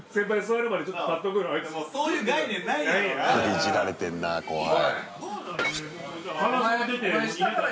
いじられてんな後輩。